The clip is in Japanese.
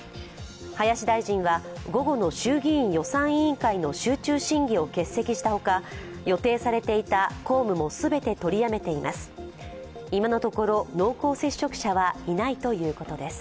林大臣は午後の衆議院予算委員会の集中審議を欠席したほか予定されていた公務も全て取りやめています。